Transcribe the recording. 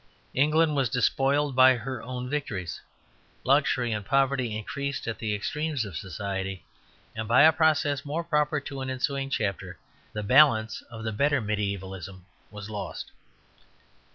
England was despoiled by her own victories; luxury and poverty increased at the extremes of society; and, by a process more proper to an ensuing chapter, the balance of the better mediævalism was lost.